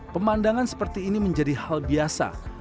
pemandangan seperti ini menjadi hal biasa